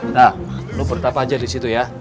nah lo bertapa aja disitu ya